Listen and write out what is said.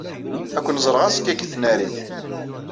Ad ken-ẓreɣ azekka deg tnarit.